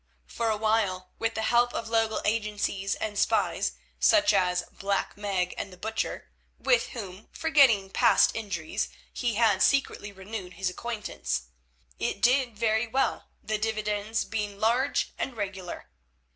For a while, with the help of local agencies and spies, such as Black Meg and the Butcher, with whom, forgetting past injuries, he had secretly renewed his acquaintance, it did very well, the dividends being large and regular.